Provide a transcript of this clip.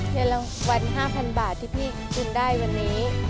ในรางวัล๕๐๐๐บาทที่พี่กุ้นได้วันนี้